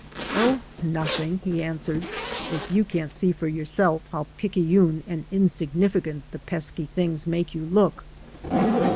"Oh, nothing," he answered, "if you can*t see for yourself how picayune and insignificant the pesky things make you look."